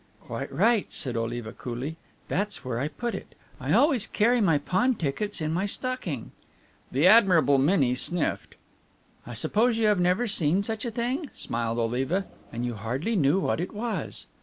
"Quite right," said Oliva coolly, "that's where I put it. I always carry my pawn tickets in my stocking." The admirable Minnie sniffed. "I suppose you have never seen such a thing," smiled Oliva, "and you hardly knew what it was."